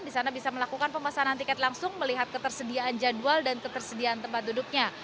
di sana bisa melakukan pemesanan tiket langsung melihat ketersediaan jadwal dan ketersediaan tempat duduknya